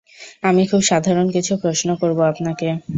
আমি খুব সাধারণ কিছু প্রশ্ন করবো আপনাকে।